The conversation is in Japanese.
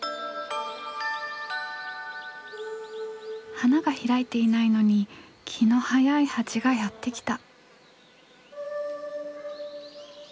花が開いていないのに気の早いハチがやって来た。